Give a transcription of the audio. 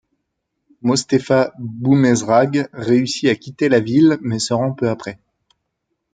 Mostéfa Boumezrag réussit à quitter la ville, mais se rend peu après.